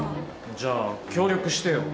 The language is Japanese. じゃあ協力してよ。